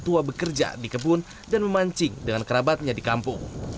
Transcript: tua bekerja di kebun dan memancing dengan kerabatnya di kampung